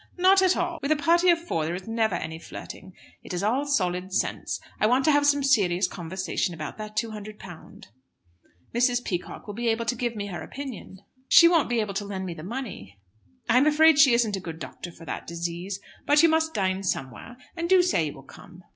"Not at all. With a party of four there is never any flirting. It is all solid sense. I want to have some serious conversation about that £200. Mrs. Peacock will be able to give me her opinion." "She won't be able to lend me the money?" "I'm afraid she isn't a good doctor for that disease. But you must dine somewhere, and do say you will come."